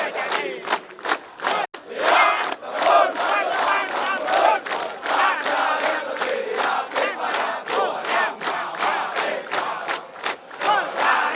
pasang besar dalam maputra